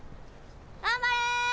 頑張れ！